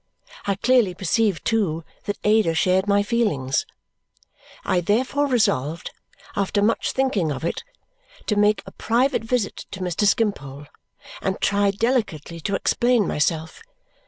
I clearly perceived, too, that Ada shared my feelings. I therefore resolved, after much thinking of it, to make a private visit to Mr. Skimpole and try delicately to explain myself.